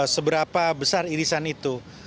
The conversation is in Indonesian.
seberapa besar irisan itu